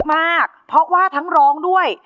ยังเพราะความสำคัญ